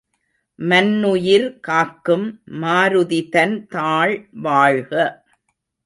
மன்னுயிர் காக்கும் மாருதிதன் தாள் வாழ்க!